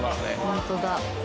ホントだ。